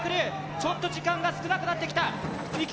ちょっと時間が少なくなってきたいけ！